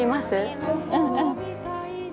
うんうん。